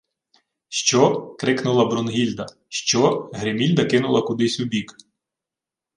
— Що? — крикнула Брунгільда. — Що? Гримільда кинула кудись убік: